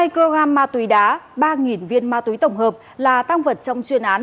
hai kg ma túy đá ba viên ma túy tổng hợp là tăng vật trong chuyên án